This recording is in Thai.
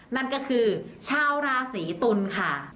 นั่นก็คือชาวราศีตุลค่ะ